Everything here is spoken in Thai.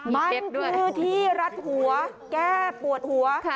มันคือที่รัดหัวแก้ปวดหัว